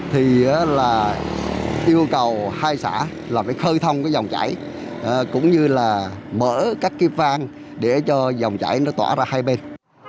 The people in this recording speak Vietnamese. thì yêu cầu hai xã phải khơi thông dòng chảy cũng như mở các kiếp vang để cho dòng chảy tỏa ra hai bên